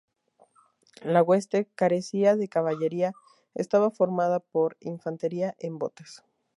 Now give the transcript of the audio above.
La hueste carecía de caballería, estaba formada por infantería en botes.